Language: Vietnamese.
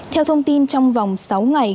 theo thông tin trong vòng sáu ngày